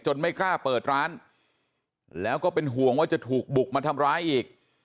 ไม่กล้าเปิดร้านแล้วก็เป็นห่วงว่าจะถูกบุกมาทำร้ายอีก